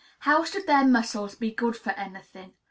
How should their muscles be good for any thing?